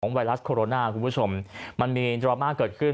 ไวรัสโคโรนาคุณผู้ชมมันมีดราม่าเกิดขึ้น